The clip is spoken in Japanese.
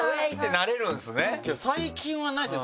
最近はないですね